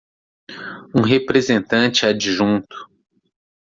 Um representante adjunto